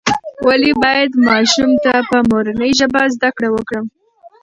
ولې باید ماشوم ته په مورنۍ ژبه زده کړه ورکړو؟